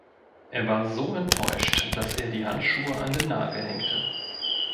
Er war so enttäuscht, dass er die Handschuhe an den Nagel hängte.